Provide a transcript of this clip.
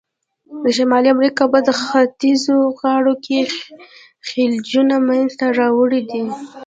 د شمالي امریکا په ختیځو غاړو کې خلیجونه منځته راوړي دي.